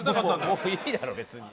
もういいだろ別に。